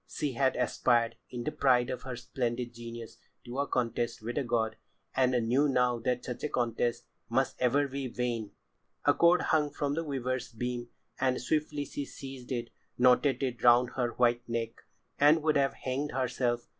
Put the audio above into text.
She had aspired, in the pride of her splendid genius, to a contest with a god, and knew now that such a contest must ever be vain. A cord hung from the weaver's beam, and swiftly she seized it, knotted it round her white neck, and would have hanged herself.